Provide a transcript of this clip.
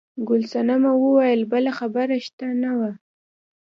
ګل صنمه وویل بله خبره شته نه وه.